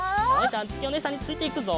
あづきおねえさんについていくぞ。